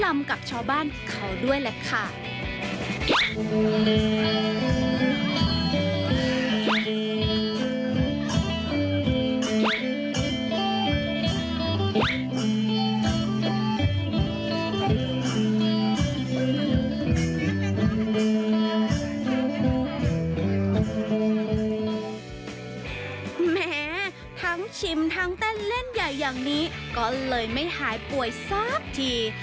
แหมทั้งชิมทั้งเต้นเล่นใหญ่อย่างนี้ก็เลยไม่หายป่วยสักที